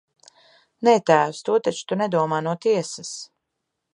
Nē, tēvs, to taču tu nedomā no tiesas!